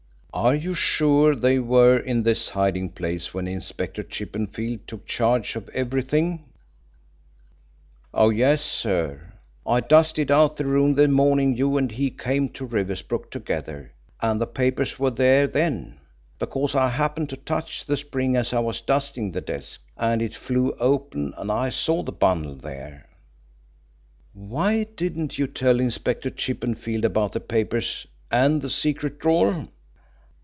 "Are you sure they were in this hiding place when Inspector Chippenfield took charge of everything?" "Yes, sir. I dusted out the room the morning you and he came to Riversbrook together, and the papers were there then, because I happened to touch the spring as I was dusting the desk, and it flew open and I saw the bundle there." "Why didn't you tell Inspector Chippenfield about the papers and the secret drawer?"